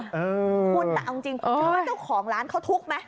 ใช่คุณเอาจริงเขินต้นเจ้าของร้านเขาทุกข์ไหม